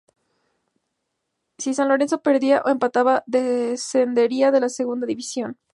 Si San Lorenzo perdía o empataba, descendería a la Segunda División.